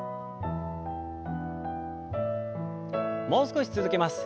もう少し続けます。